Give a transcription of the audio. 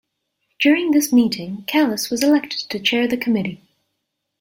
During this meeting Kalas was elected to chair the committee.